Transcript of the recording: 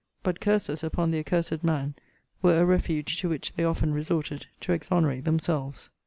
But curses upon the accursed man were a refuge to which they often resorted to exonerate themselves.